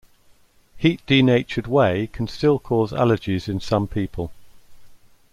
Heat-denatured whey can still cause allergies in some people.